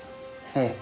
ええ。